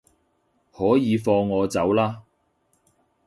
可以放我走喇